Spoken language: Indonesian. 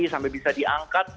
sampai bisa diangkat